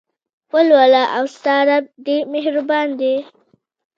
ولوله او ستا رب ډېر مهربان دى.